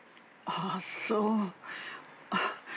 ああそう。